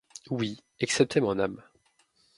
Oui, excepté mon âme.